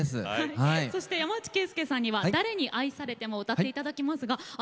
山内さんには「誰に愛されても」を歌っていただきます。